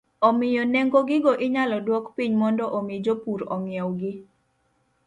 Omiyo, nengo gigo inyalo duok piny mondo omi jopur ong'iewgi